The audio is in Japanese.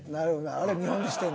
あれ見本にしてんねや。